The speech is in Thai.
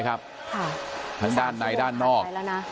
ทั้งด้านในด้านนอก